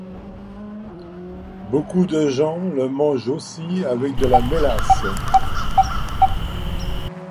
Beaucoup de gens le mangent aussi avec de la mélasse.